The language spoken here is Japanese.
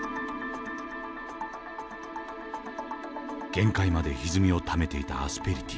限界までひずみをためていたアスペリティ。